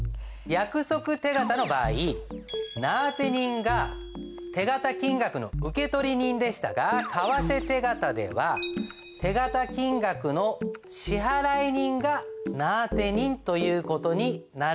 約束手形の場合名あて人が手形金額の受取人でしたが為替手形では手形金額の支払人が名あて人という事になるんです。